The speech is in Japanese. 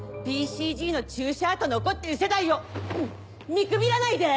ＢＣＧの注射痕残ってる世代を見くびらないで！